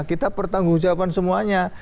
kita bertanggung jawabkan semuanya